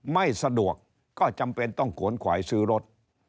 ไม่สะดวกก็จำเป็นต้องขวนขวายซื้อรถ